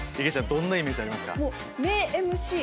どんなイメージありますか？